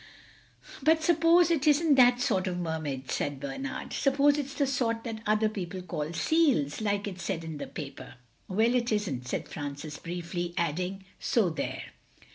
"But suppose it isn't that sort of Mermaid," said Bernard. "Suppose it's the sort that other people call seals, like it said in the paper." "Well, it isn't," said Francis briefly, adding, "so there!"